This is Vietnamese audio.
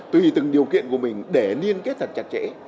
tùy từng điều kiện của mình để liên kết thật chặt chẽ